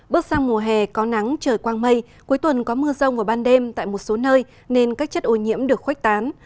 bước sang mùa hè có nắng trời quang mây cuối tuần có mưa rông vào ban đêm tại một số nơi nên các chất ô nhiễm được khoách tán